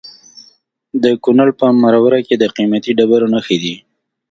د کونړ په مروره کې د قیمتي ډبرو نښې دي.